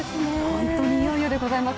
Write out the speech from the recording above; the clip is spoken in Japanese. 本当にいよいよでございます。